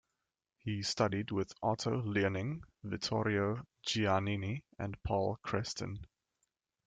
He studied with Otto Luening, Vittorio Giannini, and Paul Creston.